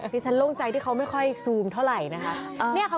ที่ฉันโล่งใจที่เขาไม่ค่อยซูมเท่าไหร่นะคะ